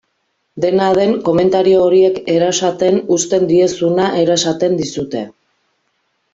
Dena den, komentario horiek erasaten uzten diezuna erasaten dizute.